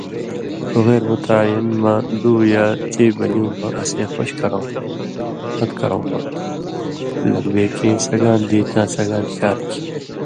غیر متعیّن مہ دُو یا چئ بَلیوں مہ اسے خوش کرؤں پھت کرؤں ہو تُھو۔ لَک بے کیں سَگان دی تاں سگان شار کھیں